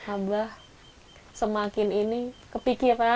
abah semakin ini kepikiran